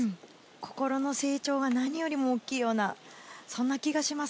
心の成長が何よりも大きいような気がします。